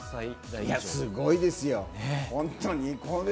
すごいですよ。